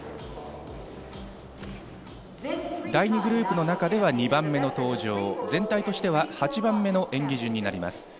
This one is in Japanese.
第２グループの中では２番目の登場、全体としては８番目の演技順になります